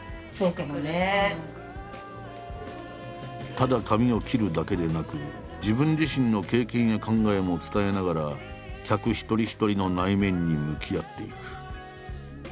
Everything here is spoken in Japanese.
ただ髪を切るだけでなく自分自身の経験や考えも伝えながら客一人一人の内面に向き合っていく。